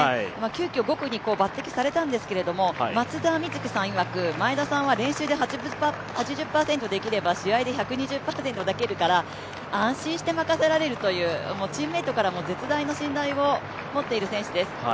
急きょ５区に抜てきされたんですけれども、松田瑞生さんいわく、前田さんは練習で８０％できれば、試合で１２０％できるから安心して任せられるという、チームメイトからも絶大な信頼を持っている選手です。